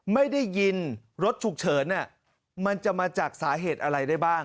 ไม่ได้ยินรถฉุกเฉินมันจะมาจากสาเหตุอะไรได้บ้าง